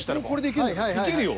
いけるよ。